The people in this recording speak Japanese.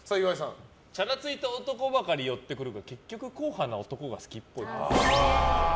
チャラついた男ばかり寄ってくるが結局、硬派な男が好きっぽい。